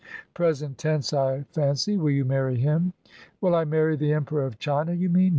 "Present tense, I fancy. Will you marry him?" "Will I marry the Emperor of China, you mean.